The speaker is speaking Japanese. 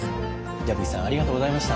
矢吹さんありがとうございました。